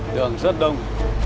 đường rất đông